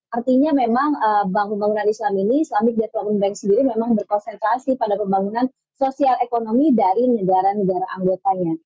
artinya memang bank pembangunan islam ini islamic development bank sendiri memang berkonsentrasi pada pembangunan sosial ekonomi dari negara negara anggotanya